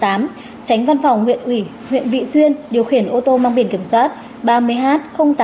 tránh văn phòng huyện ủy huyện vị xuyên